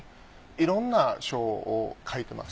いろんな書を書いてます。